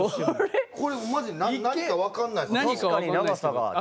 これマジで何か分からないですこれ。